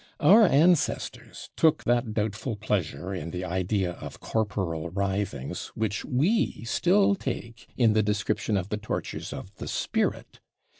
Our ancestors took that doubtful pleasure in the idea of corporal writhings which we still take in the description of the tortures of the spirit.